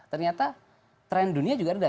ternyata tren dunia juga rendah